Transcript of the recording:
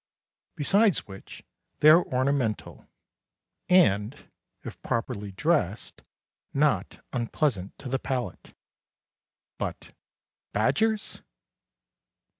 Besides which they are ornamental and if properly dressed not unpleasant to the palate, but badgers